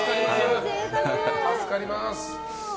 助かります！